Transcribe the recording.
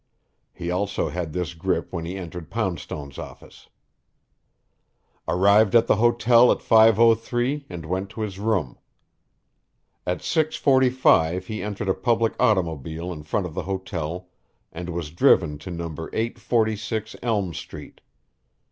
He also had this grip when he entered Poundstone's office. Arrived at the hotel at 5:03 and went to his room. At 6:45 he entered a public automobile in front of the hotel and was driven to No. 846 Elm Street.